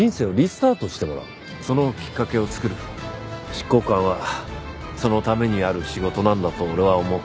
執行官はそのためにある仕事なんだと俺は思う。